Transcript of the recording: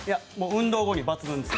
運動後に抜群です。